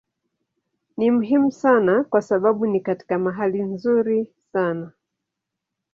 Ni muhimu sana kwa sababu ni katika mahali nzuri sana.